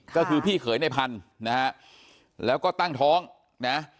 ก็คือพี่เขยในพันธุ์นะฮะแล้วก็ตั้งท้องนะ